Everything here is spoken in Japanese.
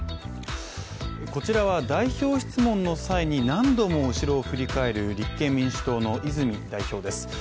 こちらは代表質問の際に何度も後ろを振り返る立憲民主党の泉代表です。